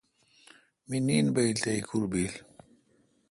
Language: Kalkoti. می نین بایل تھ ایکور بیک